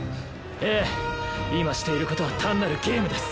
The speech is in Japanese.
ええ今している事は単なるゲームです！